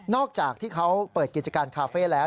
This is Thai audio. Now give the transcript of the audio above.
จากที่เขาเปิดกิจการคาเฟ่แล้ว